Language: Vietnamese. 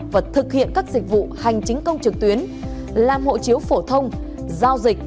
và thực hiện các dịch vụ hành chính công trực tuyến làm hộ chiếu phổ thông giao dịch